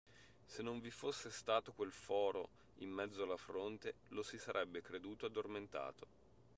Se non vi fosse stato quel foro in mezzo alla fronte, lo si sarebbe creduto addormentato.